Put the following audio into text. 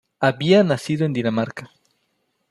Había nacido en Dinamarca.